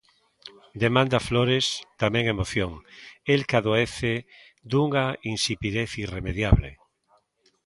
Demanda Flores tamén "emoción", el, que adoece dunha insipidez irremediable.